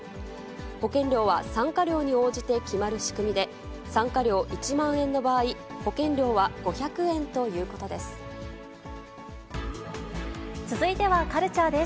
保険料は参加料に応じて決まる仕組みで、参加料１万円の場合、保険料は５００円ということです。